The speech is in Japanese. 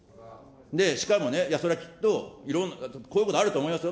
しかもね、それはきっとこういうことあると思いますよ。